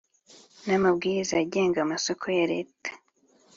n amabwiriza agenga amasoko ya Leta